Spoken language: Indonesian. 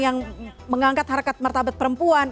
yang mengangkat harta mertabat perempuan